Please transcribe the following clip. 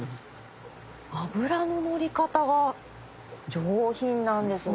脂の乗り方が上品なんですね。